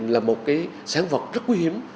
là một cái sản vật rất quý hiếm